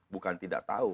bukan tidak tahu